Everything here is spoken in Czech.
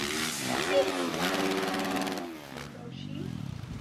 Parní lokomotivy byly vybaveny několika druhy pojistných ventilů.